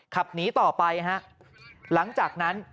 ขับหนีต่อไปฮะหลังจากนั้น